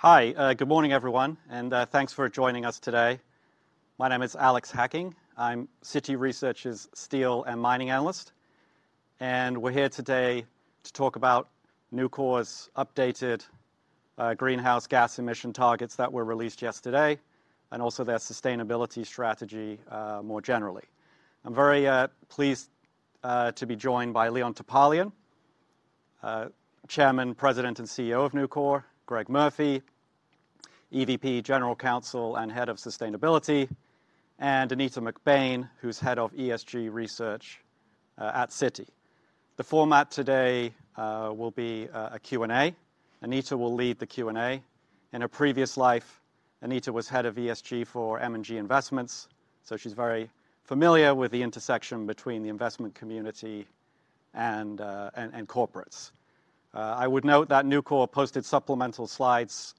Hi, good morning, everyone, and thanks for joining us today. My name is Alex Hacking. I'm Citi Research's Steel and Mining analyst, and we're here today to talk about Nucor's updated greenhouse gas emission targets that were released yesterday, and also their sustainability strategy more generally. I'm very pleased to be joined by Leon Topalian, Chairman, President, and CEO of Nucor, Greg Murphy, EVP, General Counsel, and Head of Sustainability, and Anita McBain, who's Head of ESG Research at Citi. The format today will be a Q&A. Anita will lead the Q&A. In a previous life, Anita was Head of ESG for M&G Investments, so she's very familiar with the intersection between the investment community and corporates. I would note that Nucor posted supplemental slides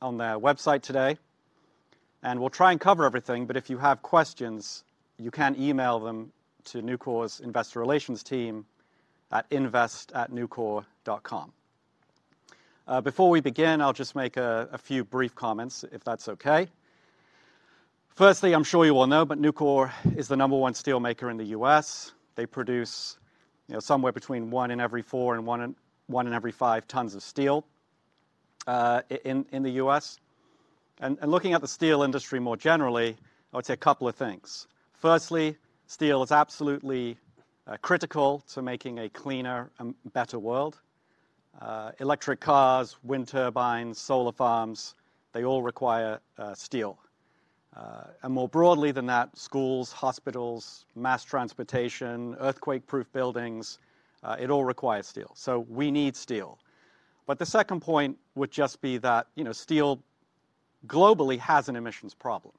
on their website today, and we'll try and cover everything, but if you have questions, you can email them to Nucor's Investor Relations team at invest@nucor.com. Before we begin, I'll just make a few brief comments, if that's okay. Firstly, I'm sure you all know, but Nucor is the number one steelmaker in the US. They produce somewhere between 1 in every 4 and 1 in every 5 tons of steel in the US. And looking at the steel industry more generally, I would say a couple of things. Firstly, steel is absolutely critical to making a cleaner and better world. Electric cars, wind turbines, solar farms, they all require steel. And more broadly than that, schools, hospitals, mass transportation, earthquake-proof buildings, it all requires steel. So we need steel. But the second point would just be that teel globally has an emissions problem.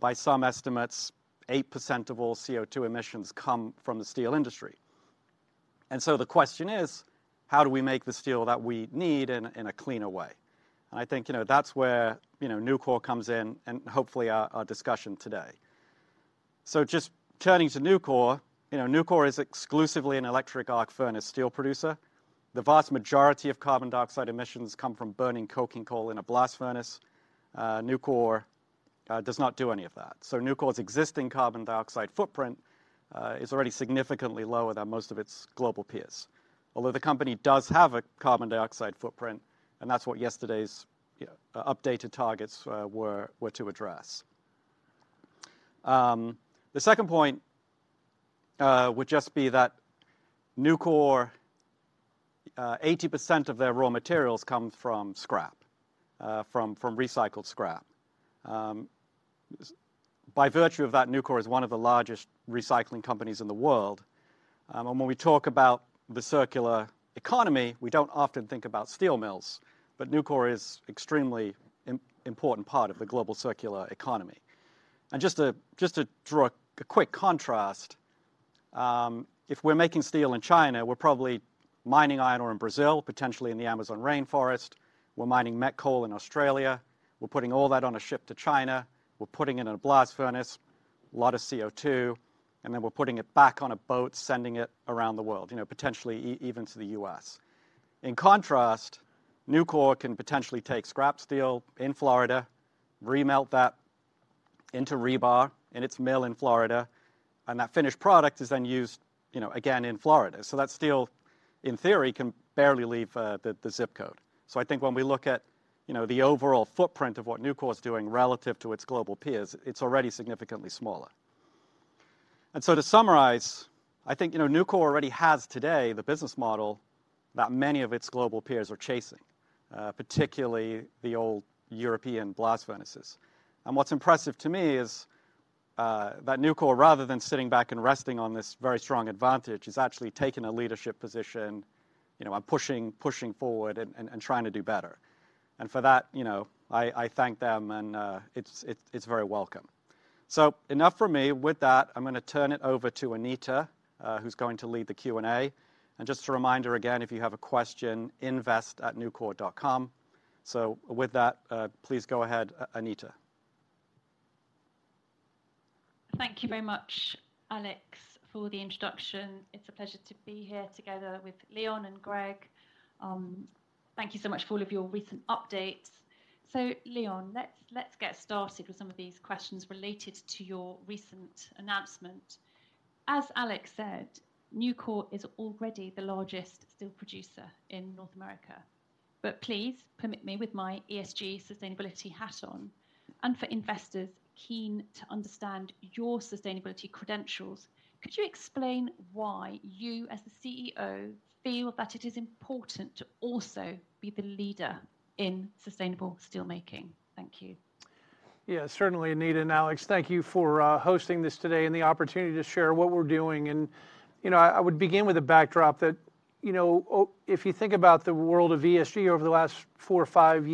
By some estimates, 8% of all CO2 emissions come from the steel industry. And so the question is: how do we make the steel that we need in a cleaner way? And I think that's where Nucor comes in, and hopefully our discussion today. So just turning to Nucor, Nucor is exclusively an electric arc furnace steel producer. The vast majority of carbon dioxide emissions come from burning coking coal in a blast furnace. Nucor does not do any of that. So Nucor's existing carbon dioxide footprint is already significantly lower than most of its global peers, although the company does have a carbon dioxide footprint, and that's what yesterday's updated targets were to address. The second point would just be that Nucor, 80% of their raw materials come from scrap, from recycled scrap. By virtue of that, Nucor is one of the largest recycling companies in the world. And when we talk about the circular economy, we don't often think about steel mills, but Nucor is extremely important part of the global circular economy. Just to draw a quick contrast, if we're making steel in China, we're probably mining iron ore in Brazil, potentially in the Amazon rainforest. We're mining met coal in Australia. We're putting all that on a ship to China. We're putting it in a blast furnace, lot of CO2, and then we're putting it back on a boat, sending it around the world potentially even to the U.S. In contrast, Nucor can potentially take scrap steel in Florida, re-melt that into rebar in its mill in Florida, and that finished product is then used again in Florida. So that steel, in theory, can barely leave the zip code. So I think when we look at the overall footprint of what Nucor is doing relative to its global peers, it's already significantly smaller. And so to summarize, I think, Nucor already has today the business model that many of its global peers are chasing, particularly the old European blast furnaces. And what's impressive to me is that Nucor, rather than sitting back and resting on this very strong advantage, is actually taking a leadership position. Pushing forward and trying to do better. And for that, I thank them, and it's very welcome. So enough from me. With that, I'm gonna turn it over to Anita, who's going to lead the Q&A. And just a reminder again, if you have a question, invest@nucor.com. So with that, please go ahead, Anita. Thank you very much, Alex, for the introduction. It's a pleasure to be here together with Leon and Greg. Thank you so much for all of your recent updates. So Leon, let's get started with some of these questions related to your recent announcement. As Alex said, Nucor is already the largest steel producer in North America. But please permit me with my ESG sustainability hat on, and for investors keen to understand your sustainability credentials, could you explain why you, as the CEO, feel that it is important to also be the leader in sustainable steelmaking? Thank you. Certainly, Anita and Alex. Thank you for hosting this today and the opportunity to share what we're doing. I would begin with a backdrop that if you think about the world of ESG over the last four or five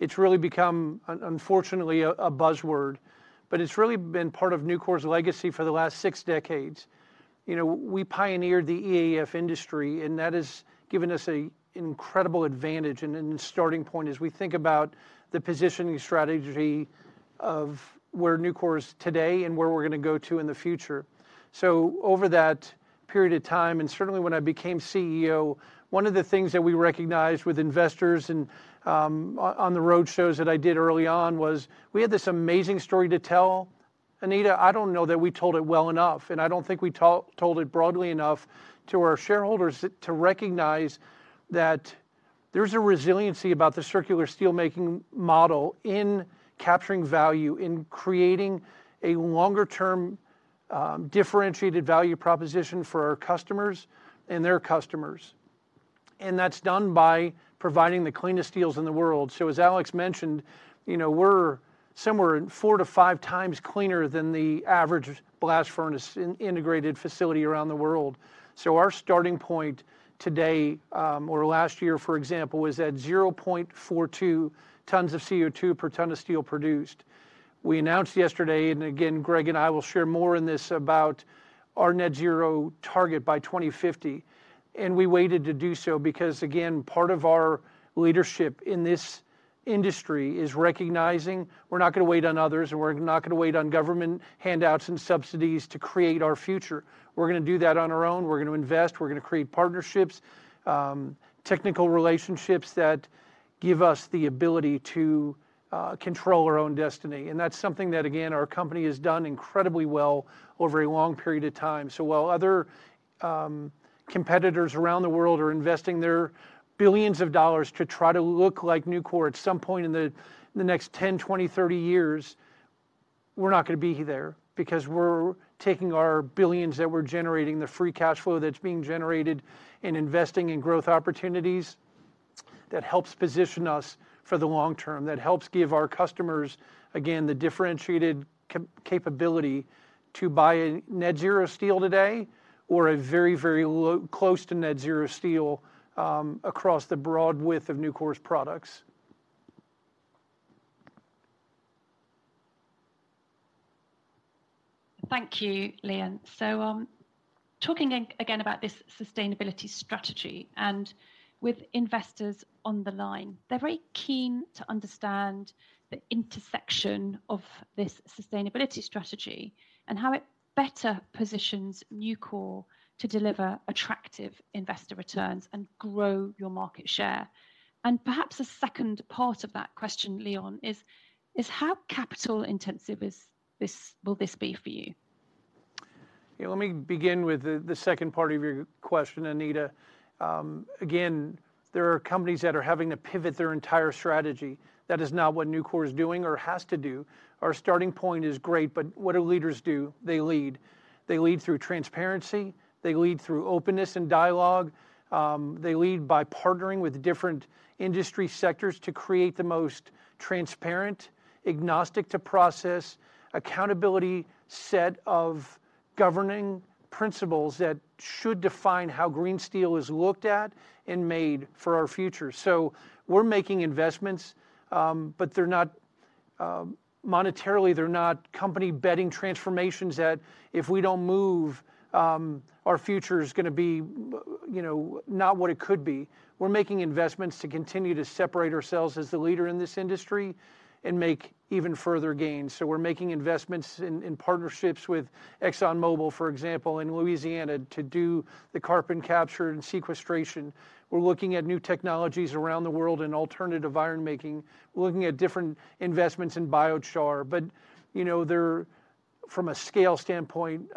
years, it's really become a buzzword, unfortunately, but it's really been part of Nucor's legacy for the last six decades. We pioneered the EAF industry, and that has given us an incredible advantage and then a starting point as we think about the positioning strategy of where Nucor is today and where we're gonna go to in the future. So over that period of time, and certainly when I became CEO, one of the things that we recognized with investors and on the roadshows that I did early on, was we had this amazing story to tell Anita, I don't know that we told it well enough, and I don't think we told it broadly enough to our shareholders to recognize that there's a resiliency about the circular steelmaking model in capturing value, in creating a longer term, differentiated value proposition for our customers and their customers. And that's done by providing the cleanest steels in the world. So as Alex mentioned, we're somewhere in 4x-5x cleaner than the average blast furnace integrated facility around the world. So our starting point today, or last year, for example, was at 0.42 tons of CO2 per ton of steel produced. We announced yesterday, and again, Greg and I will share more in this about our net-zero target by 2050, and we waited to do so because, again, part of our leadership in this industry is recognizing we're not gonna wait on others, and we're not gonna wait on government handouts and subsidies to create our future. We're gonna do that on our own. We're gonna invest, we're gonna create partnerships, technical relationships that give us the ability to, control our own destiny. And that's something that, again, our company has done incredibly well over a long period of time. So while other competitors around the world are investing their billions of dollars to try to look like Nucor at some point in the next 10, 20, 30 years, we're not gonna be there. Because we're taking our billions that we're generating, the free cash flow that's being generated, and investing in growth opportunities that helps position us for the long term, that helps give our customers, again, the differentiated capability to buy a net-zero steel today or a very, very low, close to net-zero steel, across the broad width of Nucor's products. Thank you, Leon. So, talking again about this sustainability strategy and with investors on the line, they're very keen to understand the intersection of this sustainability strategy and how it better positions Nucor to deliver attractive investor returns and grow your market share. And perhaps a second part of that question, Leon, is how capital-intensive is this, will this be for you? Yeah, let me begin with the second part of your question, Anita. Again, there are companies that are having to pivot their entire strategy. That is not what Nucor is doing or has to do. Our starting point is great, but what do leaders do? They lead. They lead through transparency, they lead through openness and dialogue, they lead by partnering with different industry sectors to create the most transparent, agnostic to process, accountability set of governing principles that should define how green steel is looked at and made for our future. So we're making investments, but they're not monetarily company betting transformations that if we don't move, our future is gonna be not what it could be. We're making investments to continue to separate ourselves as the leader in this industry and make even further gains. So we're making investments in partnerships with ExxonMobil, for example, in Louisiana, to do the carbon capture and sequestration. We're looking at new technologies around the world in alternative iron making. We're looking at different investments in biochar. They're, from a scale standpoint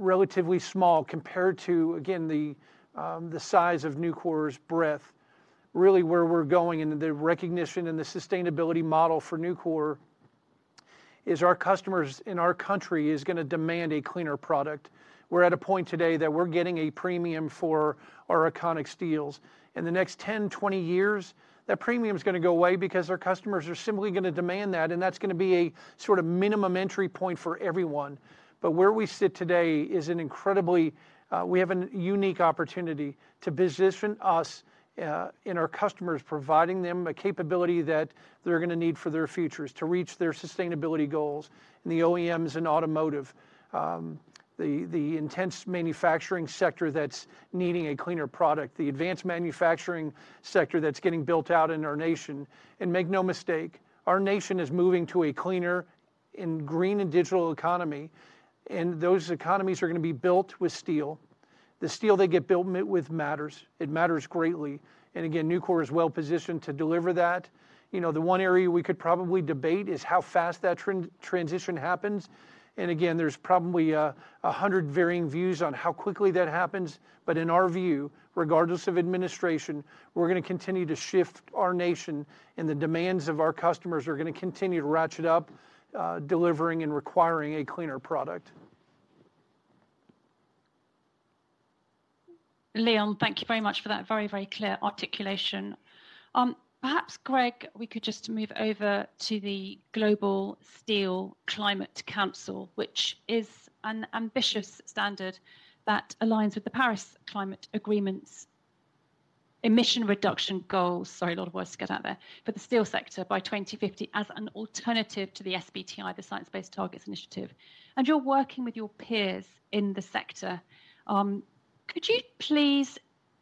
relatively small compared to, again, the size of Nucor's breadth. Really, where we're going and the recognition and the sustainability model for Nucor is our customers and our country is gonna demand a cleaner product. We're at a point today that we're getting a premium for our iconic steels. In the next 10, 20 years, that premium's gonna go away because our customers are simply gonna demand that, and that's gonna be a sort of minimum entry point for everyone. We have an unique opportunity to position us and our customers, providing them a capability that they're gonna need for their futures to reach their sustainability goals, and the OEMs and automotive, the intense manufacturing sector that's needing a cleaner product, the advanced manufacturing sector that's getting built out in our nation. And make no mistake, our nation is moving to a cleaner and green and digital economy, and those economies are gonna be built with steel. The steel they get built with matters. It matters greatly, and again, Nucor is well-positioned to deliver that. The one area we could probably debate is how fast that transition happens, and again, there's probably a hundred varying views on how quickly that happens. In our view, regardless of administration, we're gonna continue to shift our nation, and the demands of our customers are gonna continue to ratchet up, delivering and requiring a cleaner product. Leon, thank you very much for that very, very clear articulation. Perhaps, Greg, we could just move over to the Global Steel Climate Council, which is an ambitious standard that aligns with the Paris Climate Agreement's emission reduction goals, sorry, a lot of words to get out there, for the steel sector by 2050 as an alternative to the SBTi, the Science Based Targets Initiative. And you're working with your peers in the sector. Could you please,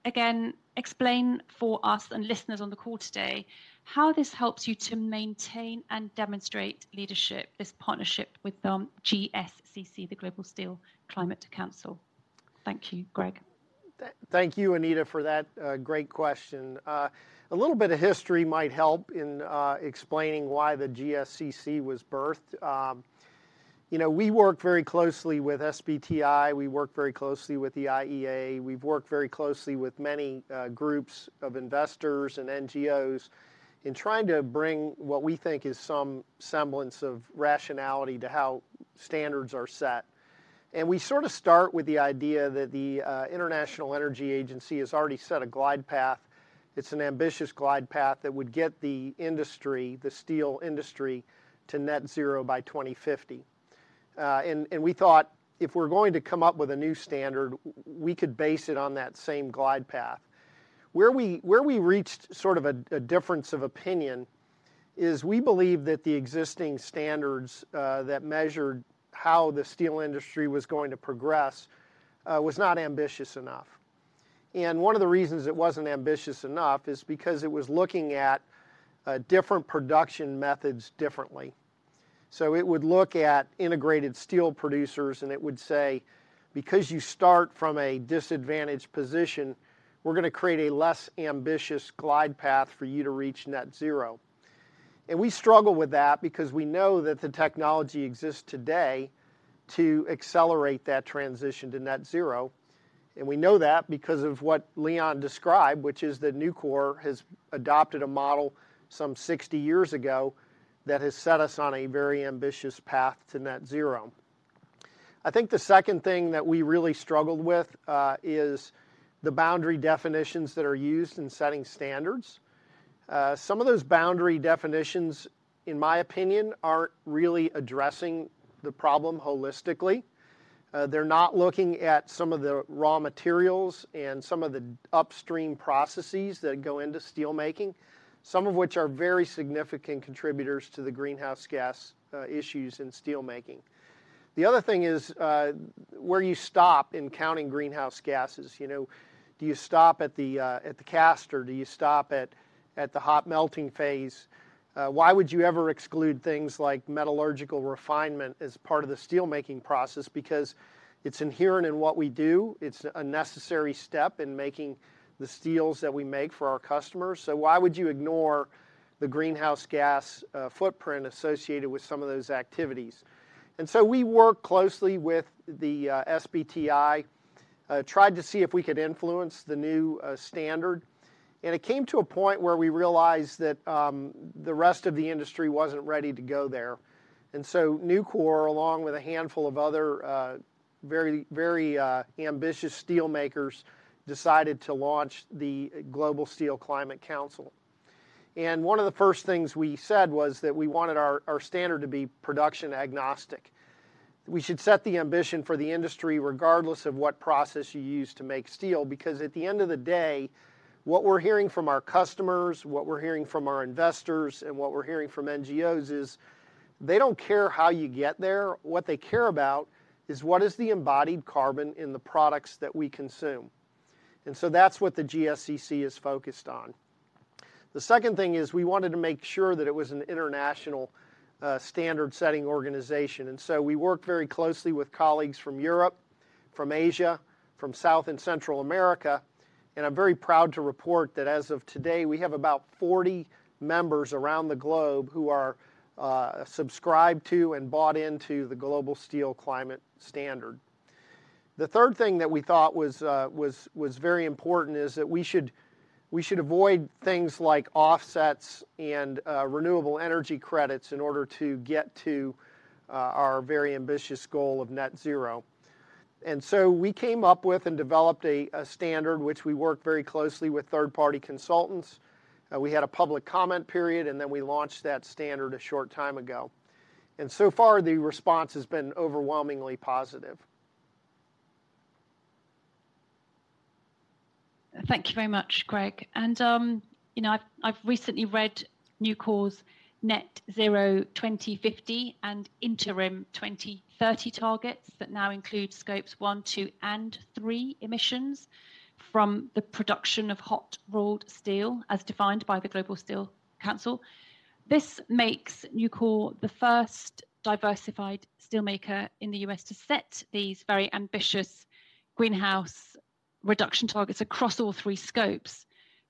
again, explain for listeners and us on the call today how this helps you to maintain and demonstrate leadership, this partnership with GSCC, the Global Steel Climate Council? Thank you, Greg. Thank you, Anita, for that great question. A little bit of history might help in explaining why the GSCC was birthed. We work very closely with SBTI, we work very closely with the IEA, we've worked very closely with many groups of investors and NGOs in trying to bring what we think is some semblance of rationality to how standards are set. And we sort of start with the idea that the International Energy Agency has already set a glide path. It's an ambitious glide path that would get the industry, the steel industry, to net-zero by 2050. And we thought, if we're going to come up with a new standard, we could base it on that same glide path. Where we reached sort of a difference of opinion is, we believe that the existing standards that measured how the steel industry was going to progress was not ambitious enough. And one of the reasons it wasn't ambitious enough is because it was looking at different production methods differently. So it would look at integrated steel producers, and it would say, "Because you start from a disadvantaged position, we're gonna create a less ambitious glide path for you to reach net-zero." And we struggle with that because we know that the technology exists today to accelerate that transition to net-zero, and we know that because of what Leon described, which is that Nucor has adopted a model some 60 years ago that has set us on a very ambitious path to net-zero. I think the second thing that we really struggled with is the boundary definitions that are used in setting standards. Some of those boundary definitions, in my opinion, aren't really addressing the problem holistically. They're not looking at some of the raw materials and some of the upstream processes that go into steelmaking, some of which are very significant contributors to the greenhouse gas issues in steelmaking. The other thing is, where you stop in counting greenhouse gases do you stop at the cast, or do you stop at the hot melting phase? Why would you ever exclude things like metallurgical refinement as part of the steelmaking process? Because it's inherent in what we do, it's a necessary step in making the steels that we make for our customers. So why would you ignore the greenhouse gas footprint associated with some of those activities? And so we worked closely with the SBTi, tried to see if we could influence the new standard, and it came to a point where we realized that the rest of the industry wasn't ready to go there. And so Nucor, along with a handful of other very, very ambitious steelmakers, decided to launch the Global Steel Climate Council. And one of the first things we said was that we wanted our standard to be production agnostic. We should set the ambition for the industry, regardless of what process you use to make steel, because at the end of the day, what we're hearing from our customers, what we're hearing from our investors, and what we're hearing from NGOs is, they don't care how you get there. What they care about is what is the embodied carbon in the products that we consume. And so that's what the GSCC is focused on. The second thing is, we wanted to make sure that it was an international, standard-setting organization, and so we worked very closely with colleagues from Europe, from Asia, from South and Central America, and I'm very proud to report that, as of today, we have about 40 members around the globe who are, subscribed to and bought into the Global Steel Climate Standard. The third thing that we thought was very important is that we should, we should avoid things like offsets and, renewable energy credits in order to get to, our very ambitious goal of net-zero. And so we came up with and developed a standard, which we worked very closely with third-party consultants. We had a public comment period, and then we launched that standard a short time ago. So far, the response has been overwhelmingly positive. Thank you very much, Greg. I've recently read Nucor's Net-Zero 2050 and interim 2030 targets that now include Scope 1, 2, and 3 emissions from the production of hot rolled steel, as defined by the Global Steel Climate Council. This makes Nucor the first diversified steelmaker in the U.S. to set these very ambitious greenhouse reduction targets across all three scopes.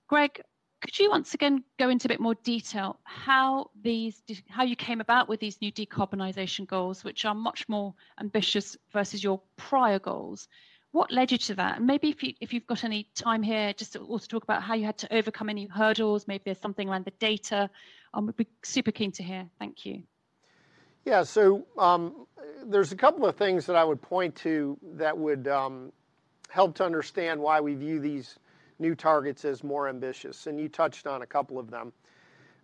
Greg, could you once again go into a bit more detail how these, how you came about with these new decarbonization goals, which are much more ambitious versus your prior goals? What led you to that? And maybe if you've got any time here, just to also talk about how you had to overcome any hurdles, maybe something around the data. We'd be super keen to hear. Thank you. Yeah. So, there's a couple of things that I would point to that would help to understand why we view these new targets as more ambitious, and you touched on a couple of them.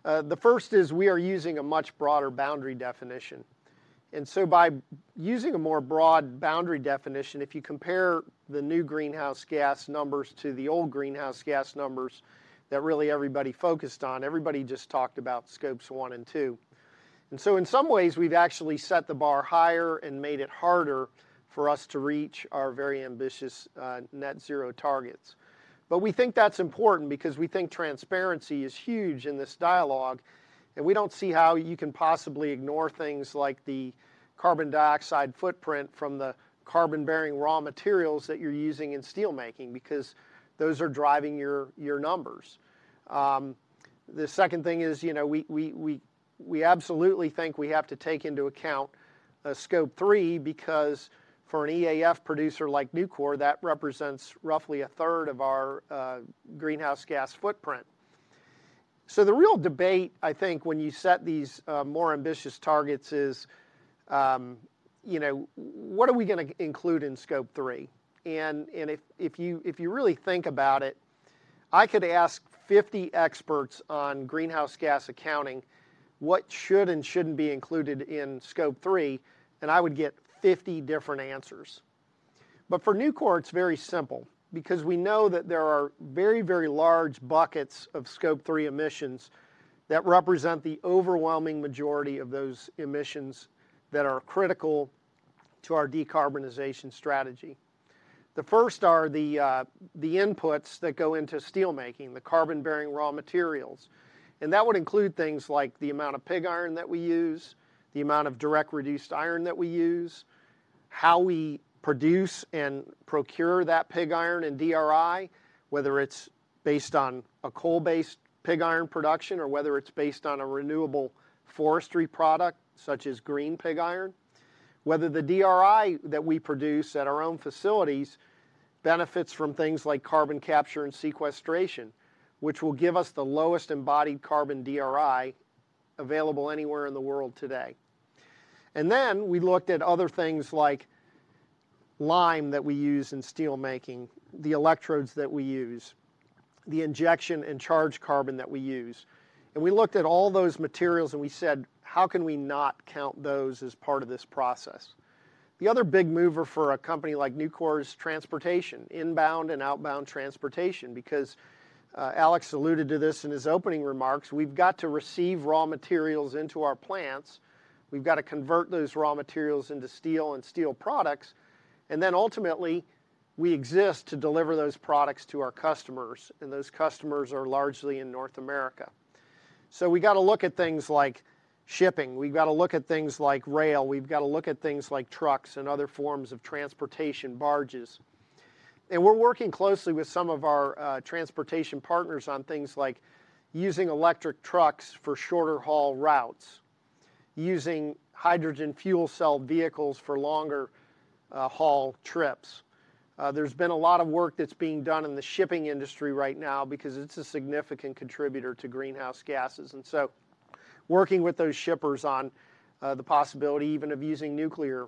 The first is, we are using a much broader boundary definition, and so by using a more broad boundary definition, if you compare the new greenhouse gas numbers to the old greenhouse gas numbers, that really everybody focused on, everybody just talked about Scope 1 and Scope 2. And so in some ways, we've actually set the bar higher and made it harder for us to reach our very ambitious net-zero targets. But we think that's important because we think transparency is huge in this dialogue, and we don't see how you can possibly ignore things like the carbon dioxide footprint from the carbon-bearing raw materials that you're using in steelmaking, because those are driving your numbers. The second thing is, we absolutely think we have to take into account Scope 3, because for an EAF producer like Nucor, that represents roughly a third of our greenhouse gas footprint. So the real debate, I think, when you set these more ambitious targets is what are we gonna include in Scope 3? And if you really think about it, I could ask 50 experts on greenhouse gas accounting what should and shouldn't be included in Scope 3, and I would get 50 different answers. But for Nucor, it's very simple, because we know that there are very, very large buckets of Scope 3 emissions that represent the overwhelming majority of those emissions that are critical to our decarbonization strategy. The first are the inputs that go into steelmaking, the carbon-bearing raw materials. And that would include things like the amount of pig iron that we use, the amount of direct reduced iron that we use, how we produce and procure that pig iron and DRI, whether it's based on a coal-based pig iron production or whether it's based on a renewable forestry product, such as green pig iron, whether the DRI that we produce at our own facilities benefits from things like carbon capture and sequestration, which will give us the lowest embodied carbon DRI available anywhere in the world today. And then we looked at other things like lime that we use in steelmaking, the electrodes that we use, the injection and charge carbon that we use. And we looked at all those materials, and we said: "How can we not count those as part of this process?" The other big mover for a company like Nucor is transportation, inbound and outbound transportation, because, Alex alluded to this in his opening remarks, we've got to receive raw materials into our plants, we've got to convert those raw materials into steel and steel products, and then ultimately, we exist to deliver those products to our customers, and those customers are largely in North America. So we gotta look at things like shipping. We've gotta look at things like rail. We've gotta look at things like trucks and other forms of transportation, barges. And we're working closely with some of our transportation partners on things like using electric trucks for shorter haul routes, using hydrogen fuel cell vehicles for longer haul trips. There's been a lot of work that's being done in the shipping industry right now because it's a significant contributor to greenhouse gases, and so working with those shippers on the possibility even of using nuclear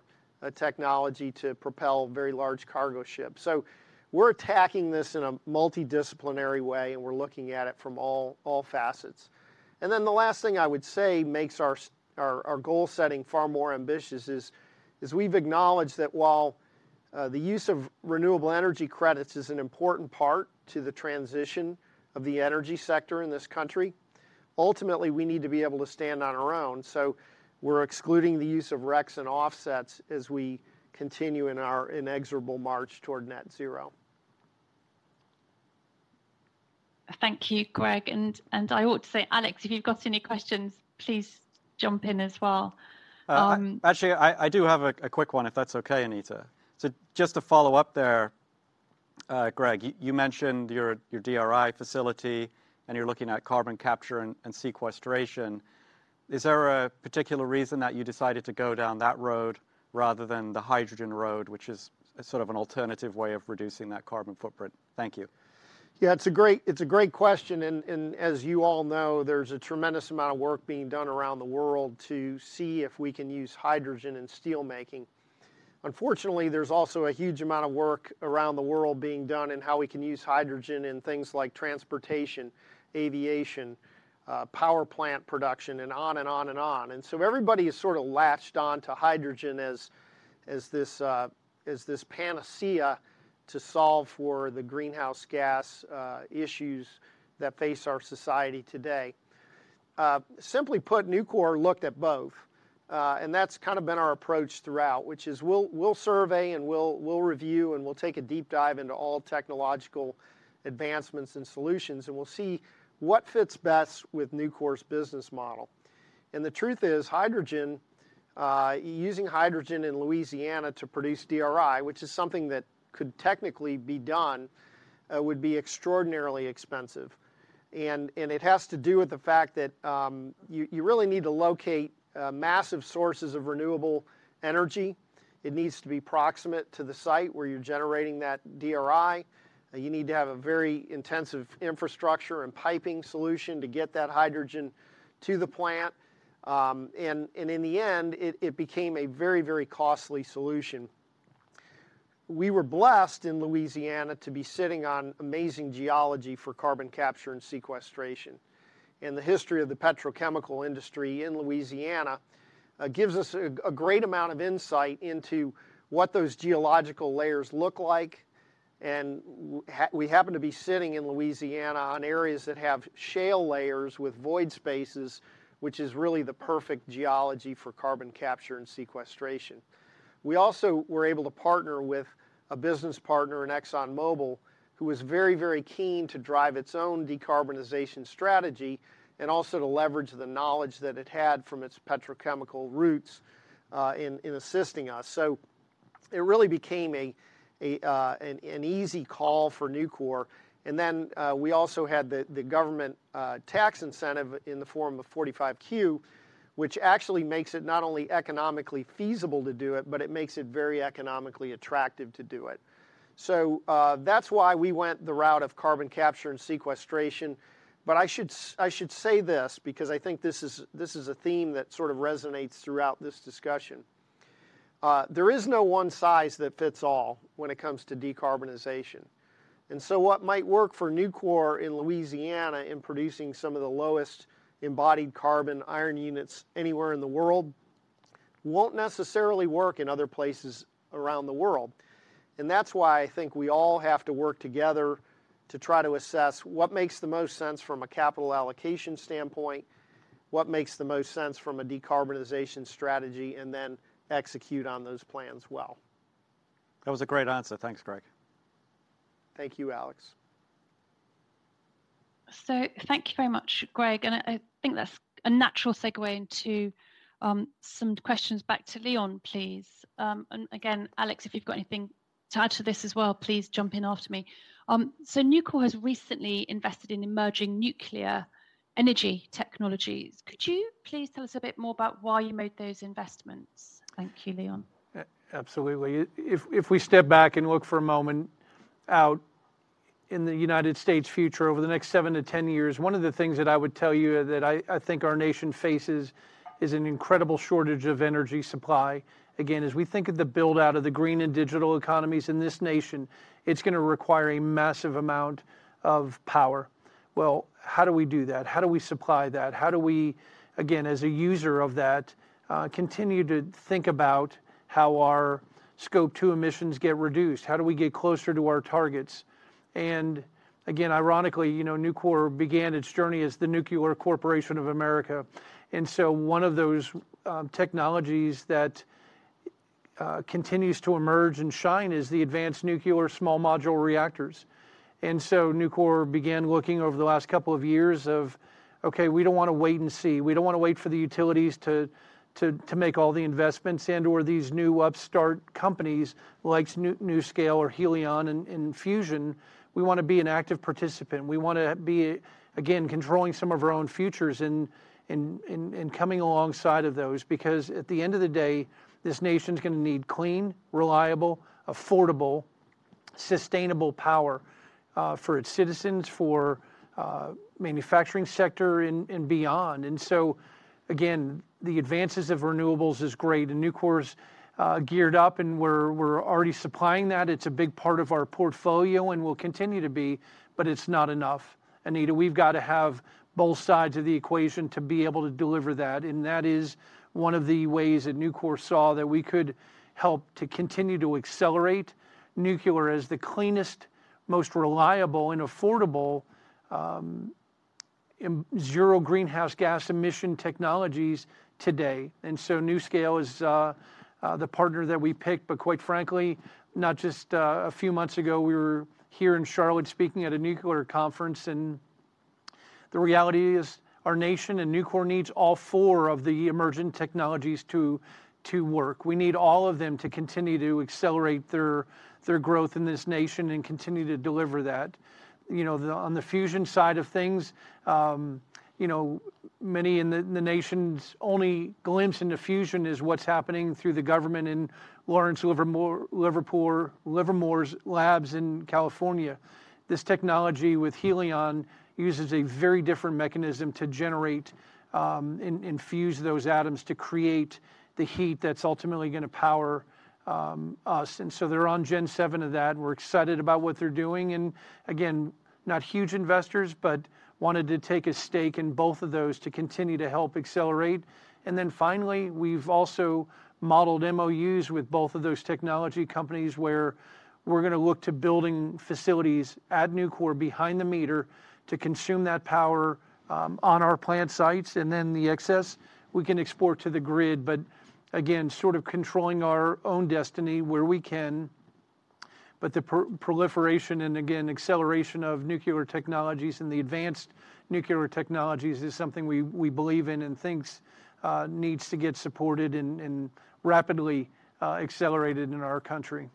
technology to propel very large cargo ships. So we're attacking this in a multidisciplinary way, and we're looking at it from all facets. And then the last thing I would say makes our goal setting far more ambitious is we've acknowledged that while the use of renewable energy credits is an important part to the transition of the energy sector in this country, ultimately, we need to be able to stand on our own. We're excluding the use of RECs and offsets as we continue in our inexorable march toward net-zero. Thank you, Greg. And I ought to say, Alex, if you've got any questions, please jump in as well. Actually, I do have a quick one, if that's okay, Anita. So just to follow up there, Greg, you mentioned your DRI facility, and you're looking at carbon capture and sequestration. Is there a particular reason that you decided to go down that road rather than the hydrogen road, which is a sort of an alternative way of reducing that carbon footprint? Thank you. Yeah, it's a great, it's a great question, and as you all know, there's a tremendous amount of work being done around the world to see if we can use hydrogen in steelmaking. Unfortunately, there's also a huge amount of work around the world being done in how we can use hydrogen in things like transportation, aviation, power plant production, and on and on and on. And so everybody has sorta latched on to hydrogen as this panacea to solve for the greenhouse gas issues that face our society today. Simply put, Nucor looked at both, and that's kinda been our approach throughout, which is we'll survey, and we'll review, and we'll take a deep dive into all technological advancements and solutions, and we'll see what fits best with Nucor's business model. The truth is, hydrogen, using hydrogen in Louisiana to produce DRI, which is something that could technically be done, would be extraordinarily expensive. It has to do with the fact that you really need to locate massive sources of renewable energy. It needs to be proximate to the site where you're generating that DRI. You need to have a very intensive infrastructure and piping solution to get that hydrogen to the plant. In the end, it became a very, very costly solution. We were blessed in Louisiana to be sitting on amazing geology for carbon capture and sequestration. The history of the petrochemical industry in Louisiana gives us a great amount of insight into what those geological layers look like and we happen to be sitting in Louisiana on areas that have shale layers with void spaces, which is really the perfect geology for carbon capture and sequestration. We also were able to partner with a business partner in ExxonMobil, who was very, very keen to drive its own decarbonization strategy, and also to leverage the knowledge that it had from its petrochemical roots, in assisting us. So it really became an easy call for Nucor. And then we also had the government tax incentive in the form of 45Q, which actually makes it not only economically feasible to do it, but it makes it very economically attractive to do it. So, that's why we went the route of carbon capture and sequestration, but I should say this, because I think this is a theme that sort of resonates throughout this discussion. There is no one size that fits all when it comes to decarbonization. And so what might work for Nucor in Louisiana in producing some of the lowest embodied carbon iron units anywhere in the world, won't necessarily work in other places around the world. And that's why I think we all have to work together to try to assess what makes the most sense from a capital allocation standpoint, what makes the most sense from a decarbonization strategy, and then execute on those plans well. That was a great answer. Thanks, Greg. Thank you, Alex. So thank you very much, Greg, and I, I think that's a natural segue into some questions back to Leon, please. And again, Alex, if you've got anything to add to this as well, please jump in after me. So Nucor has recently invested in emerging nuclear energy technologies. Could you please tell us a bit more about why you made those investments? Thank you, Leon. Absolutely. If we step back and look for a moment out in the United States' future over the next 7-10 years, one of the things that I would tell you that I think our nation faces, is an incredible shortage of energy supply. Again, as we think of the build-out of the green and digital economies in this nation, it's gonna require a massive amount of power. Well, how do we do that? How do we supply that? How do we, again, as a user of that, continue to think about how our Scope 2 emissions get reduced? How do we get closer to our targets? And again, ironically, Nucor began its journey as the Nuclear Corporation of America, and so one of those technologies that continues to emerge and shine is the advanced nuclear small modular reactors. And so Nucor began looking over the last couple of years of, "Okay, we don't wanna wait and see. We don't wanna wait for the utilities to make all the investments, and/or these new upstart companies like NuScale or Helion in fusion. We wanna be an active participant. We wanna be, again, controlling some of our own futures and coming alongside of those." Because at the end of the day, this nation's gonna need clean, reliable, affordable, sustainable power for its citizens, for manufacturing sector, and beyond. And so, again, the advances of renewables is great, and Nucor's geared up, and we're already supplying that. It's a big part of our portfolio and will continue to be, but it's not enough. Anita, we've got to have both sides of the equation to be able to deliver that, and that is one of the ways that Nucor saw that we could help to continue to accelerate nuclear as the cleanest, most reliable and affordable zero greenhouse gas emission technologies today. And so NuScale is the partner that we picked, but quite frankly, not just. A few months ago, we were here in Charlotte, speaking at a nuclear conference, and the reality is, our nation and Nucor needs all four of the emerging technologies to work. We need all of them to continue to accelerate their growth in this nation and continue to deliver that. On the fusion side of things many in the nation's only glimpse into fusion is what's happening through the government in Lawrence Livermore's labs in California. This technology with Helion uses a very different mechanism to generate and fuse those atoms to create the heat that's ultimately gonna power us. And so they're on Gen 7 of that, and we're excited about what they're doing. And again, not huge investors, but wanted to take a stake in both of those to continue to help accelerate. And then finally, we've also modeled MOUs with both of those technology companies, where we're gonna look to building facilities at Nucor behind the meter to consume that power on our plant sites, and then the excess we can export to the grid. But again, sort of controlling our own destiny where we can. But the proliferation, and again, acceleration of nuclear technologies and the advanced nuclear technologies, is something we, we believe in and thinks needs to get supported and, and rapidly accelerated in our country.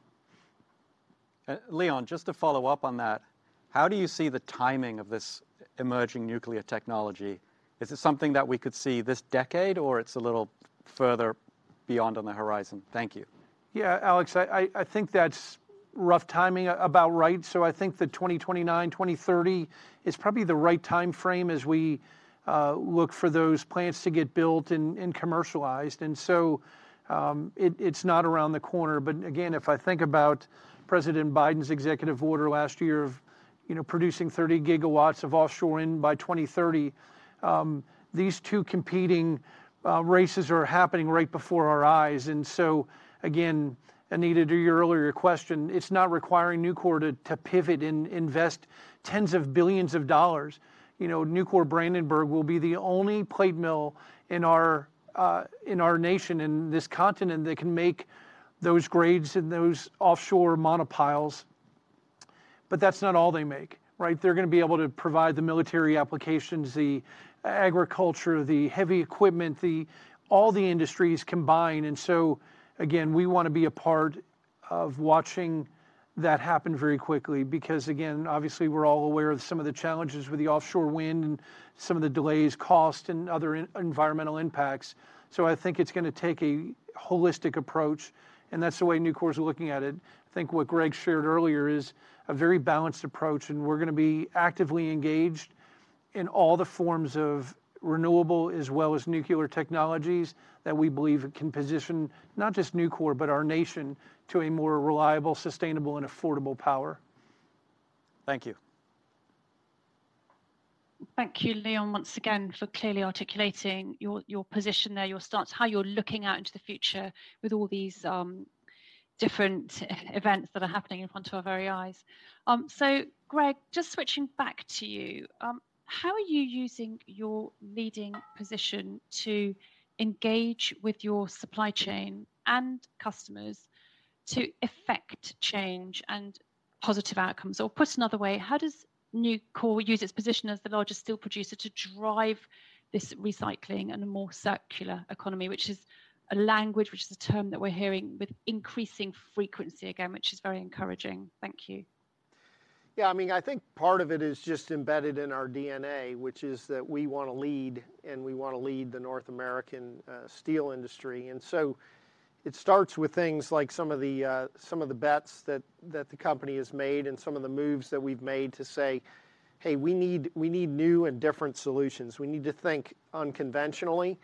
Leon, just to follow up on that, how do you see the timing of this emerging nuclear technology? Is this something that we could see this decade, or it's a little further beyond on the horizon? Thank you. Yeah, Alex, I think that's rough timing, about right. So I think that 2029, 2030 is probably the right timeframe as we look for those plants to get built and commercialized. And so, it's not around the corner, but again, if I think about President Biden's executive order last year of producing 30 gigawatts of offshore wind by 2030. These two competing races are happening right before our eyes. And so, again, Anita, to your earlier question, it's not requiring Nucor to pivot and invest tens of billions of dollars. Nucor Brandenburg will be the only plate mill in our nation, in this continent, that can make those grades and those offshore monopiles. But that's not all they make, right? They're gonna be able to provide the military applications, the agriculture, the heavy equipment, all the industries combined. And so, again, we wanna be a part of watching that happen very quickly, because again, obviously, we're all aware of some of the challenges with the offshore wind and some of the delays, cost, and other environmental impacts. So I think it's gonna take a holistic approach, and that's the way Nucor's looking at it. I think what Greg shared earlier is a very balanced approach, and we're gonna be actively engaged in all the forms of renewable as well as nuclear technologies, that we believe can position not just Nucor, but our nation, to a more reliable, sustainable, and affordable power. Thank you. Thank you, Leon, once again, for clearly articulating your position there, your stance, how you're looking out into the future with all these different events that are happening in front of our very eyes. So Greg, just switching back to you. How are you using your leading position to engage with your supply chain and customers to effect change and positive outcomes? Or put another way, how does Nucor use its position as the largest steel producer to drive this recycling and a more circular economy, which is a language, which is a term that we're hearing with increasing frequency again, which is very encouraging. Thank you. Yeah, I mean, I think part of it is just embedded in our DNA, which is that we wanna lead, and we wanna lead the North American steel industry. And so it starts with things like some of the bets that the company has made and some of the moves that we've made to say, "Hey, we need new and different solutions. We need to think unconventionally."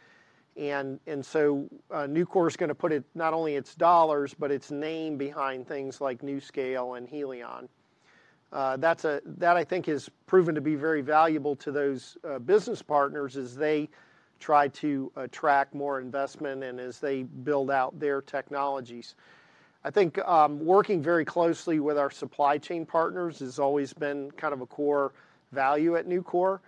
And so, Nucor is gonna put it, not only its dollars, but its name behind things like NuScale and Helion. That's that I think has proven to be very valuable to those business partners as they try to attract more investment and as they build out their technologies. I think working very closely with our supply chain partners has always been kind of a core value at Nucor.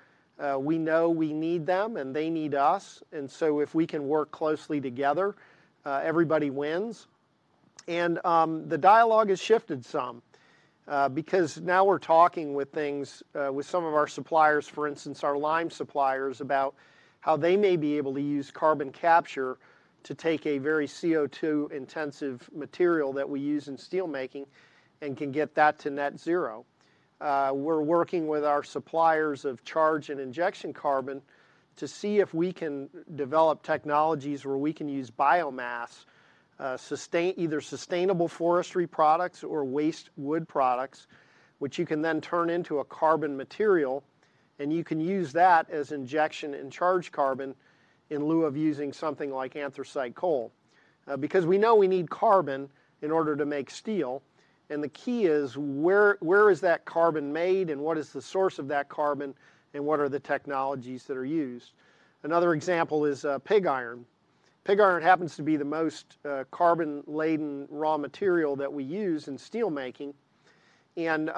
We know we need them, and they need us, and so if we can work closely together, everybody wins. And, the dialogue has shifted some, because now we're talking with some of our suppliers, for instance, our lime suppliers, about how they may be able to use carbon capture to take a very CO2-intensive material that we use in steelmaking and can get that to net-zero. We're working with our suppliers of charge and injection carbon to see if we can develop technologies where we can use biomass, sustainable forestry products or waste wood products, which you can then turn into a carbon material, and you can use that as injection and charge carbon in lieu of using something like anthracite coal. Because we know we need carbon in order to make steel, and the key is, where, where is that carbon made and what is the source of that carbon, and what are the technologies that are used? Another example is, pig iron. Pig iron happens to be the most carbon-laden raw material that we use in steelmaking. And,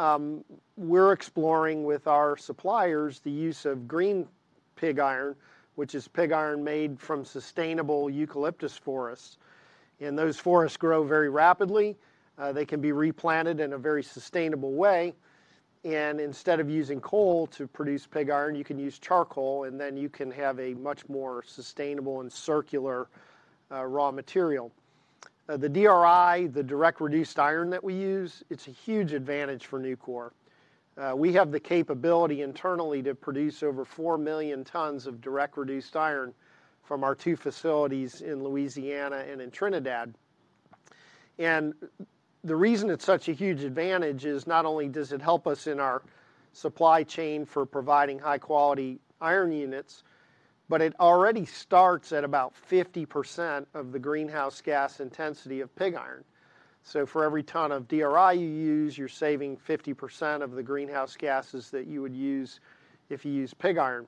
we're exploring with our suppliers, the use of green pig iron, which is pig iron made from sustainable eucalyptus forests. And those forests grow very rapidly. They can be replanted in a very sustainable way, and instead of using coal to produce pig iron, you can use charcoal, and then you can have a much more sustainable and circular, raw material. The DRI, the direct-reduced iron that we use, it's a huge advantage for Nucor. We have the capability internally to produce over 4 million tons of direct-reduced iron from our two facilities in Louisiana and in Trinidad. And the reason it's such a huge advantage is not only does it help us in our supply chain for providing high-quality iron units, but it already starts at about 50% of the greenhouse gas intensity of pig iron. So for every ton of DRI you use, you're saving 50% of the greenhouse gases that you would use if you use pig iron.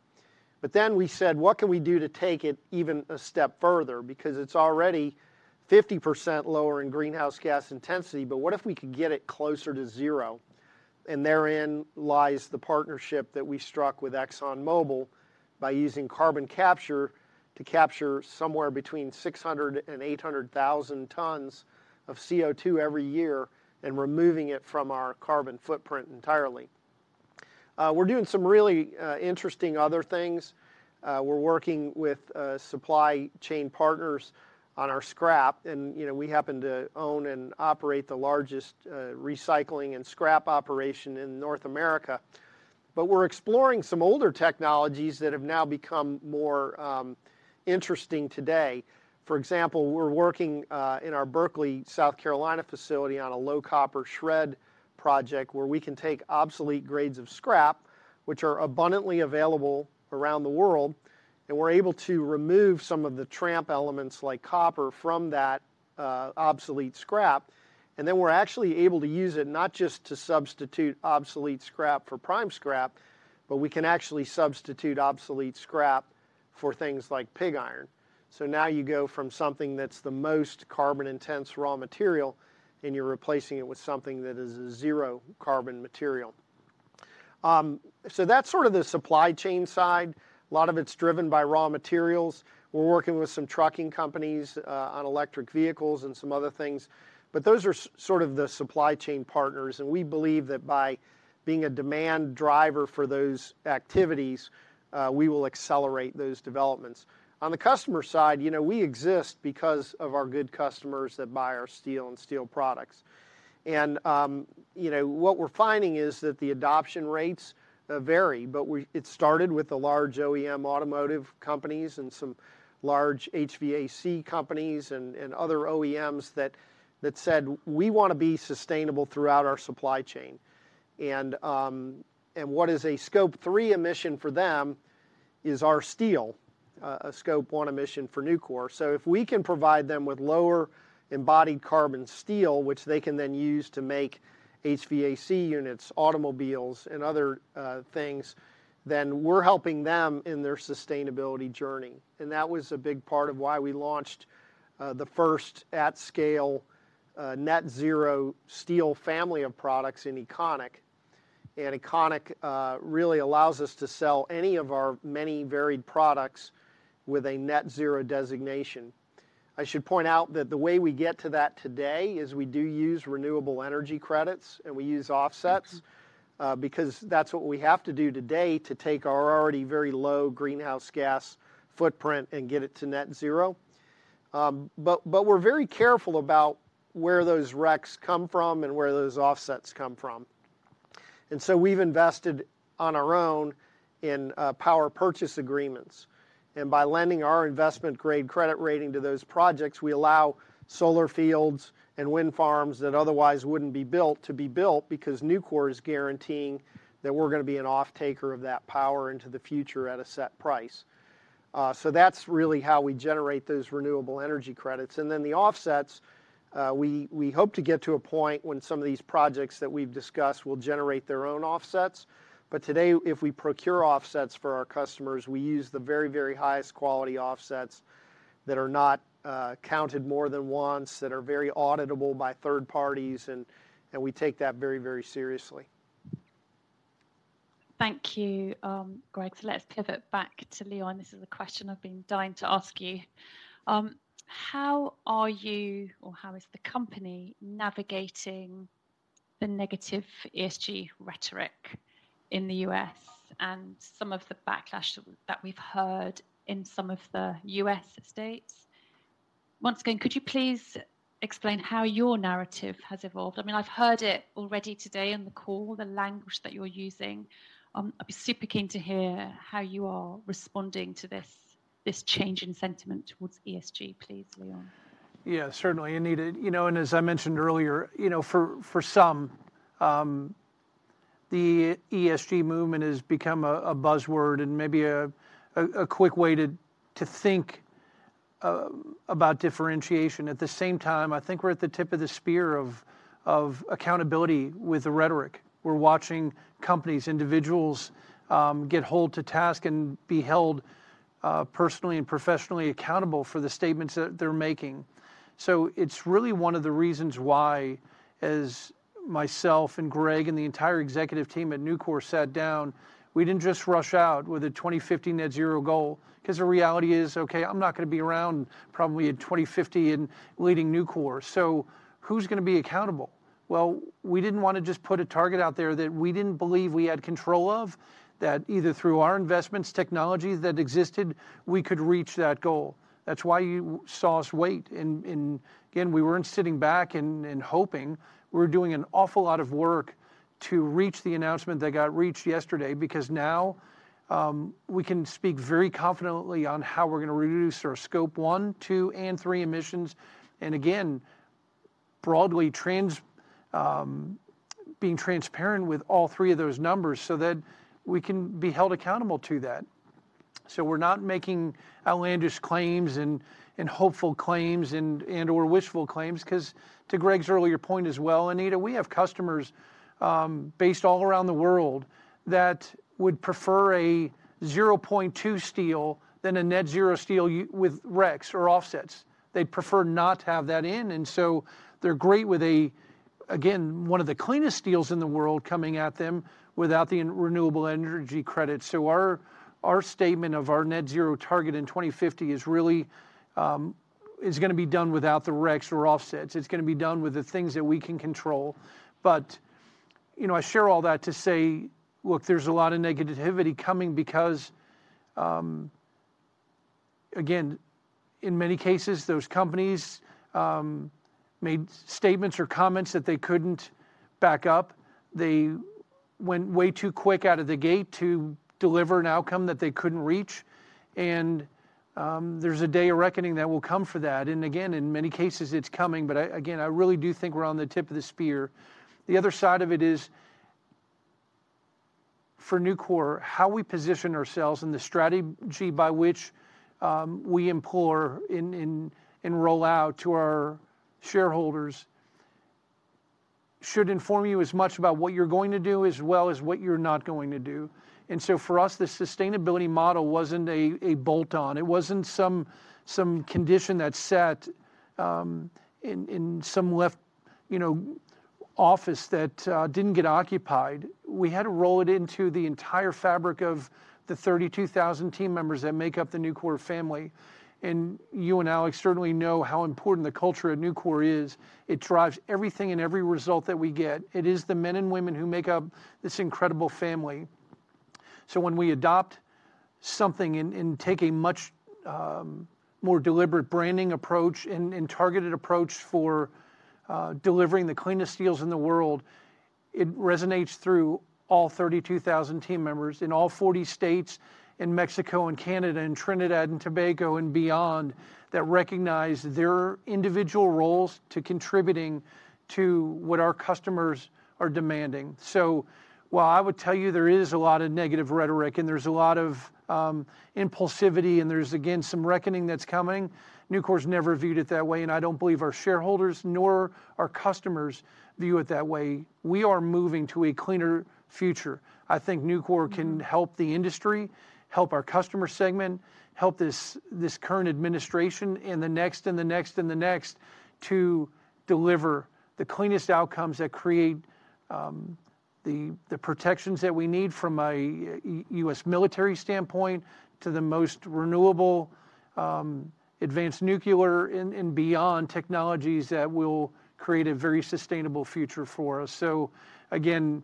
But then we said: What can we do to take it even a step further? Because it's already 50% lower in greenhouse gas intensity, but what if we could get it closer to zero? And therein lies the partnership that we struck with ExxonMobil by using carbon capture to capture somewhere between 600,00 and 800,000 tons of CO2 every year and removing it from our carbon footprint entirely. We're doing some really interesting other things. We're working with supply chain partners on our scrap, and we happen to own and operate the largest recycling and scrap operation in North America. But we're exploring some older technologies that have now become more interesting today. For example, we're working in our Berkeley, South Carolina facility on a low-copper shred project, where we can take obsolete grades of scrap which are abundantly available around the world, and we're able to remove some of the tramp elements like copper from that, obsolete scrap, and then we're actually able to use it, not just to substitute obsolete scrap for prime scrap, but we can actually substitute obsolete scrap for things like pig iron. So now you go from something that's the most carbon-intense raw material, and you're replacing it with something that is a zero-carbon material. So that's sort of the supply chain side. A lot of it's driven by raw materials. We're working with some trucking companies, on electric vehicles and some other things, but those are sort of the supply chain partners, and we believe that by being a demand driver for those activities, we will accelerate those developments. On the customer side, we exist because of our good customers that buy our steel and steel products. What we're finding is that the adoption rates vary, but it started with the large OEM automotive companies and some large HVAC companies and other OEMs that said, "We wanna be sustainable throughout our supply chain," and what is a Scope 3 emission for them is our steel, a Scope 1 emission for Nucor. So if we can provide them with lower embodied carbon steel, which they can then use to make HVAC units, automobiles, and other things, then we're helping them in their sustainability journey, and that was a big part of why we launched the first at-scale net-zero steel family of products in Econiq. Econiq really allows us to sell any of our many varied products with a net-zero designation. I should point out that the way we get to that today is we do use renewable energy credits, and we use offsets because that's what we have to do today to take our already very low greenhouse gas footprint and get it to net-zero. But we're very careful about where those RECs come from and where those offsets come from. And so we've invested on our own in power purchase agreements, and by lending our investment-grade credit rating to those projects, we allow solar fields and wind farms that otherwise wouldn't be built to be built because Nucor is guaranteeing that we're gonna be an offtaker of that power into the future at a set price. So that's really how we generate those renewable energy credits. And then the offsets, we hope to get to a point when some of these projects that we've discussed will generate their own offsets. But today, if we procure offsets for our customers, we use the very, very highest quality offsets that are not counted more than once, that are very auditable by third parties, and we take that very, very seriously. Thank you, Greg. So let's pivot back to Leon. This is a question I've been dying to ask you. How are you, or how is the company navigating the negative ESG rhetoric in the U.S. and some of the backlash that we've heard in some of the U.S. states? Once again, could you please explain how your narrative has evolved? I mean, I've heard it already today on the call, the language that you're using. I'd be super keen to hear how you are responding to this, this change in sentiment towards ESG, please, Leon. Yeah, certainly, Anita. And as I mentioned earlier for some, the ESG movement has become a quick way to think about differentiation. At the same time, I think we're at the tip of the spear of accountability with the rhetoric. We're watching companies, individuals, get held to task and be held personally and professionally accountable for the statements that they're making. So it's really one of the reasons why, as Greg and I and the entire executive team at Nucor sat down, we didn't just rush out with a 2050 net-zero goal, 'cause the reality is, okay, I'm not gonna be around probably in 2050 and leading Nucor. So who's gonna be accountable? Well, we didn't wanna just put a target out there that we didn't believe we had control of, that either through our investments, technology that existed, we could reach that goal. That's why you saw us wait. And again, we weren't sitting back and hoping. We were doing an awful lot of work to reach the announcement that got reached yesterday, because now we can speak very confidently on how we're gonna reduce our Scope 1, 2, and 3 emissions, and again, broadly being transparent with all three of those numbers so that we can be held accountable to that. So we're not making outlandish claims and hopeful claims and/or wishful claims, 'cause to Greg's earlier point as well, Anita, we have customers based all around the world that would prefer a 0.2 steel than a net-zero steel with RECs or offsets. They'd prefer not to have that in, and so they're great with a, again, one of the cleanest steels in the world coming at them without the renewable energy credits. So our statement of our net-zero target in 2050 is really is gonna be done without the RECs or offsets. It's gonna be done with the things that we can control, but I share all that to say, look, there's a lot of negativity coming because, again, in many cases, those companies made statements or comments that they couldn't back up. They went way too quick out of the gate to deliver an outcome that they couldn't reach, and there's a day of reckoning that will come for that, and again, in many cases it's coming, but I, again, I really do think we're on the tip of the spear. The other side of it is, for Nucor, how we position ourselves and the strategy by which we import in and roll out to our shareholders, should inform you as much about what you're going to do as well as what you're not going to do. And so for us, the sustainability model wasn't a bolt on. It wasn't some condition that set in some left office that didn't get occupied. We had to roll it into the entire fabric of the 32,000 team members that make up the Nucor family. You and Alex certainly know how important the culture of Nucor is. It drives everything and every result that we get. It is the men and women who make up this incredible family. When we adopt something and take a much more deliberate branding approach and targeted approach for delivering the cleanest steels in the world, it resonates through all 32,000 team members in all 40 states, in Mexico and Canada, and Trinidad and Tobago, and beyond, that recognize their individual roles to contributing to what our customers are demanding. So while I would tell you there is a lot of negative rhetoric, and there's a lot of impulsivity, and there's again some reckoning that's coming, Nucor's never viewed it that way, and I don't believe our shareholders nor our customers view it that way. We are moving to a cleaner future. I think Nucor can help the industry, help our customer segment, help this current administration and the next, and the next, and the next, to deliver the cleanest outcomes that create the protections that we need from a U.S. military standpoint, to the most renewable advanced nuclear and beyond technologies that will create a very sustainable future for us. So again,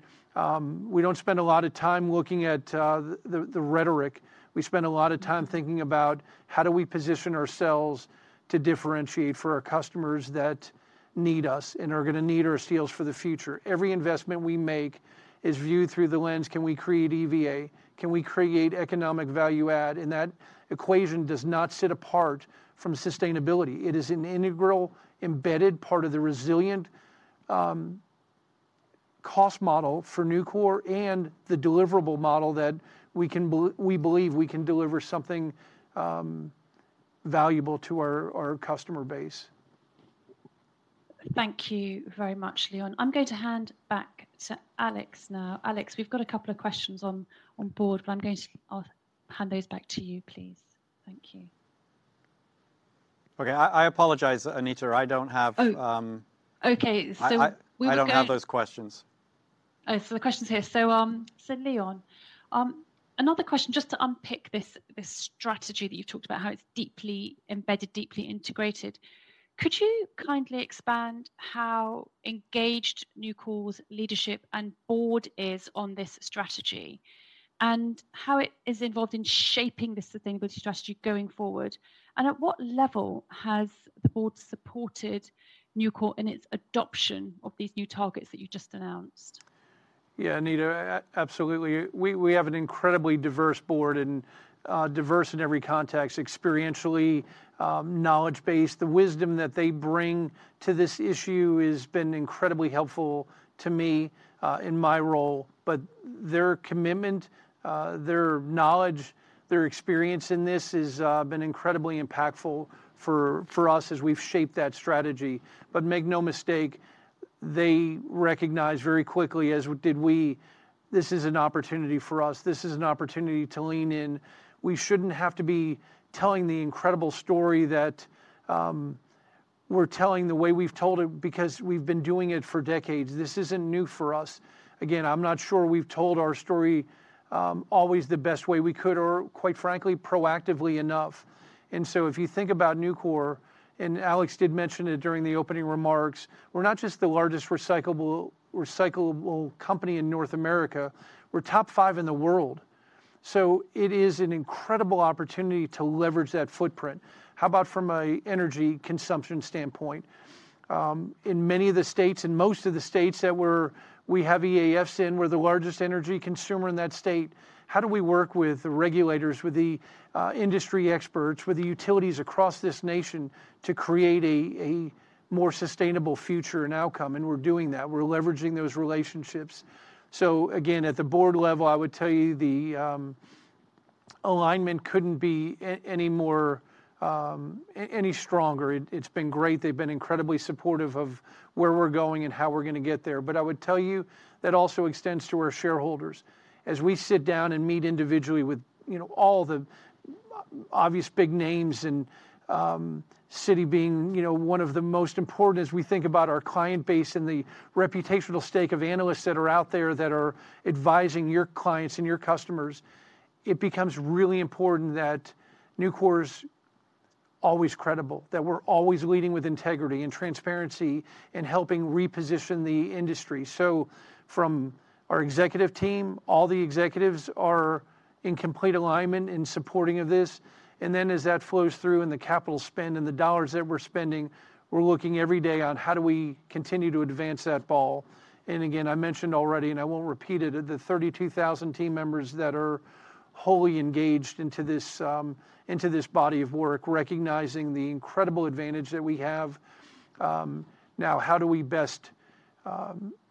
we don't spend a lot of time looking at the rhetoric. We spend a lot of time thinking about, how do we position ourselves to differentiate for our customers that need us and are gonna need our steels for the future? Every investment we make is viewed through the lens: Can we create EVA? Can we create economic value add? That equation does not sit apart from sustainability. It is an integral, embedded part of the resilient cost model for Nucor and the deliverable model that we can we believe we can deliver something valuable to our customer base. Thank you very much, Leon. I'm going to hand back to Alex now. Alex, we've got a couple of questions on, on board. I'll hand those back to you, please. Thank you. I don't have those questions. Oh, so the question's here. So, so Leon, another question just to unpick this, this strategy that you talked about, how it's deeply embedded, deeply integrated. Could you kindly expand how engaged Nucor's leadership and board is on this strategy? And how it is involved in shaping the sustainability strategy going forward, and at what level has the board supported Nucor in its adoption of these new targets that you just announced? Yeah, Anita, absolutely. We have an incredibly diverse board and diverse in every context, experientially, knowledge base. The wisdom that they bring to this issue has been incredibly helpful to me in my role. But their commitment, their knowledge, their experience in this has been incredibly impactful for us as we've shaped that strategy. But make no mistake, they recognized very quickly, as did we, this is an opportunity for us. This is an opportunity to lean in. We shouldn't have to be telling the incredible story that we're telling the way we've told it, because we've been doing it for decades. This isn't new for us. Again, I'm not sure we've told our story always the best way we could or quite frankly, proactively enough. So if you think about Nucor, and Alex did mention it during the opening remarks, we're not just the largest recyclable company in North America, we're top 5 in the world. So it is an incredible opportunity to leverage that footprint. How about from a energy consumption standpoint? In many of the states and most of the states that we have EAFs in, we're the largest energy consumer in that state. How do we work with the regulators, with the industry experts, with the utilities across this nation to create a more sustainable future and outcome? And we're doing that. We're leveraging those relationships. So again, at the board level, I would tell you, the alignment couldn't be any more any stronger. It's been great. They've been incredibly supportive of where we're going and how we're gonna get there. But I would tell you, that also extends to our shareholders. As we sit down and meet individually with all the obvious big names and, Citi being, one of the most important as we think about our client base and the reputational stake of analysts that are out there, that are advising your clients and your customers, it becomes really important that Nucor's always credible, that we're always leading with integrity and transparency, and helping reposition the industry. So from our executive team, all the executives are in complete alignment in supporting of this, and then as that flows through in the capital spend and the dollars that we're spending, we're looking every day on how do we continue to advance that ball. And again, I mentioned already, and I won't repeat it, the 32,000 team members that are wholly engaged into this body of work, recognizing the incredible advantage that we have. Now, how do we best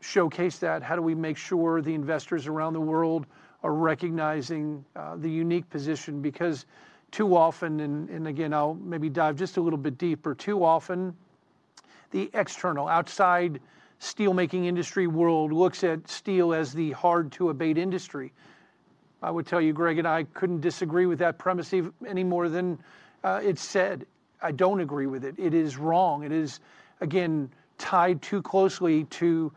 showcase that? How do we make sure the investors around the world are recognizing the unique position? Because too often, and again, I'll maybe dive just a little bit deeper, too often, the external, outside steelmaking industry world looks at steel as the hard-to-abate industry. I would tell you, Greg, and I couldn't disagree with that premise ever any more than it's said. I don't agree with it. It is wrong. It is, again, tied too closely to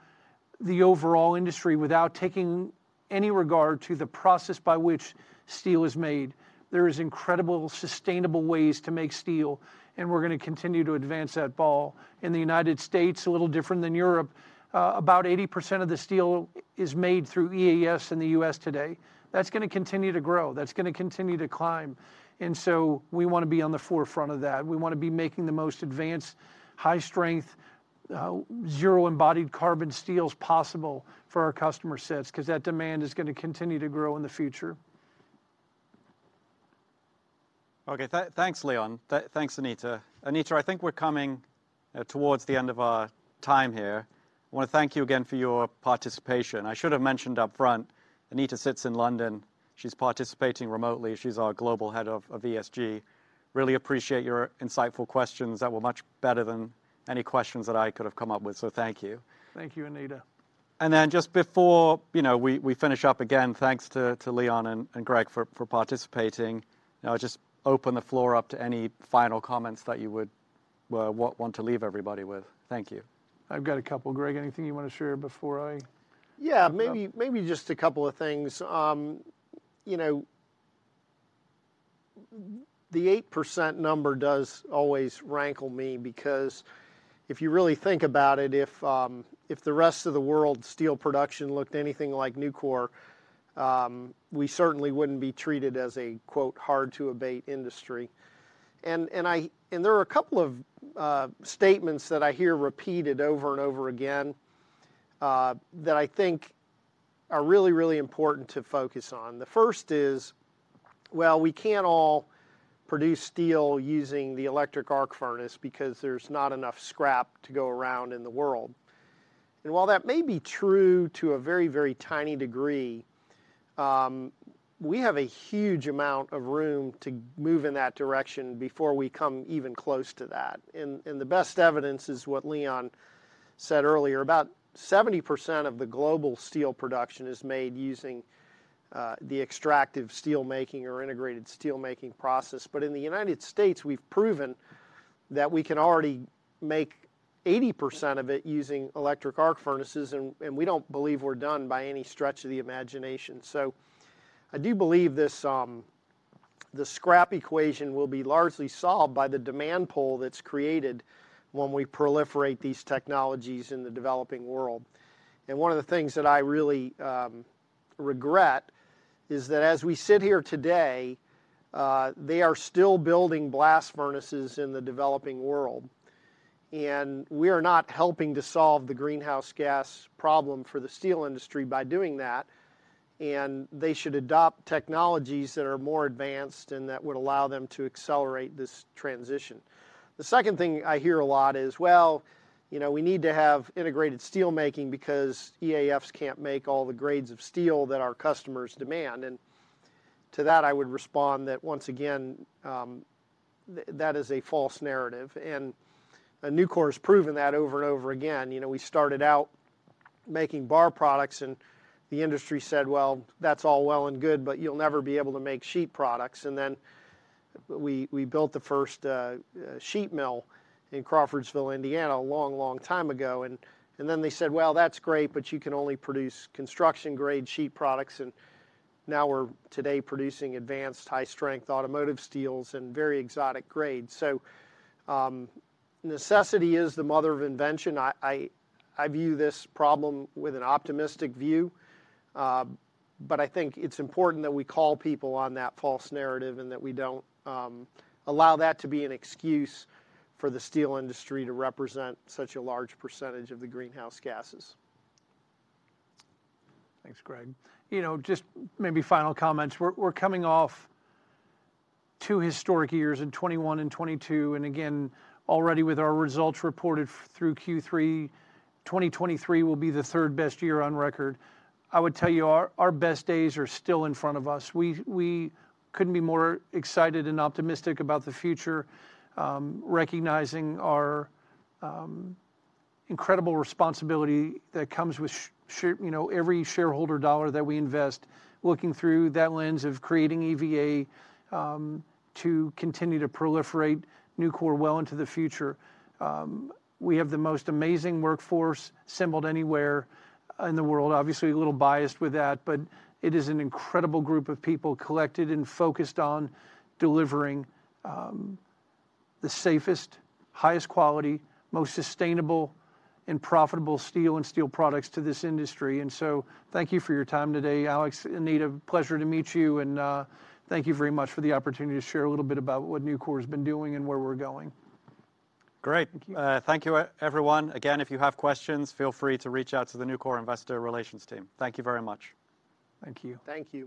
the overall industry without taking any regard to the process by which steel is made. There is incredible, sustainable ways to make steel, and we're gonna continue to advance that ball. In the United States, a little different than Europe, about 80% of the steel is made through EAFs in the U.S. today. That's gonna continue to grow. That's gonna continue to climb, and so we wanna be on the forefront of that. We wanna be making the most advanced, high-strength, zero-embodied carbon steels possible for our customer sets, 'cause that demand is gonna continue to grow in the future. Okay, thanks, Leon. Thanks, Anita. Anita, I think we're coming towards the end of our time here. I wanna thank you again for your participation. I should have mentioned up front, Anita sits in London. She's participating remotely. She's our global head of ESG. Really appreciate your insightful questions that were much better than any questions that I could have come up with, so thank you. Thank you, Anita. And then just before we finish up, again, thanks to Leon and Greg for participating. Now I'll just open the floor up to any final comments that you would, well, want to leave everybody with. Thank you. I've got a couple. Greg, anything you wanna share. Yeah, maybe, maybe just a couple of things. The 8% number does always rankle me because if you really think about it, if the rest of the world's steel production looked anything like Nucor, we certainly wouldn't be treated as a, quote, "hard to abate industry." And there are a couple of statements that I hear repeated over and over again that I think are really, really important to focus on. The first is, well, we can't all produce steel using the electric arc furnace because there's not enough scrap to go around in the world. And while that may be true to a very, very tiny degree, we have a huge amount of room to move in that direction before we come even close to that. The best evidence is what Leon said earlier, about 70% of the global steel production is made using the extractive steelmaking or integrated steelmaking process. But in the United States, we've proven that we can already make 80% of it using electric arc furnaces, and we don't believe we're done by any stretch of the imagination. So I do believe this, the scrap equation will be largely solved by the demand pull that's created when we proliferate these technologies in the developing world. One of the things that I really regret is that as we sit here today, they are still building blast furnaces in the developing world, and we are not helping to solve the greenhouse gas problem for the steel industry by doing that, and they should adopt technologies that are more advanced and that would allow them to accelerate this transition. The second thing I hear a lot is, "Well, we need to have integrated steelmaking because EAFs can't make all the grades of steel that our customers demand." To that, I would respond that once again, that is a false narrative, and Nucor has proven that over and over again. We started out making bar products, and the industry said, "Well, that's all well and good, but you'll never be able to make sheet products." And then we built the first sheet mill in Crawfordsville, Indiana, a long, long time ago. And then they said, "Well, that's great, but you can only produce construction-grade sheet products," and now we're today producing advanced, high-strength automotive steels and very exotic grades. So, necessity is the mother of invention. I view this problem with an optimistic view, but I think it's important that we call people on that false narrative, and that we don't allow that to be an excuse for the steel industry to represent such a large percentage of the greenhouse gases. Thanks, Greg. Just maybe final comments. We're coming off two historic years in 2021 and 2022, and again, already with our results reported through Q3, 2023 will be the third-best year on record. I would tell you, our best days are still in front of us. We couldn't be more excited and optimistic about the future, recognizing our incredible responsibility that comes with every shareholder dollar that we invest, looking through that lens of creating EVA, to continue to proliferate Nucor well into the future. We have the most amazing workforce assembled anywhere in the world. Obviously, a little biased with that, but it is an incredible group of people collected and focused on delivering the safest, highest quality, most sustainable and profitable steel and steel products to this industry. And so thank you for your time today, Alex. Anita, pleasure to meet you, and thank you very much for the opportunity to share a little bit about what Nucor's been doing and where we're going. Great. Thank you. Thank you, everyone. Again, if you have questions, feel free to reach out to the Nucor Investor Relations team. Thank you very much. Thank you. Thank you.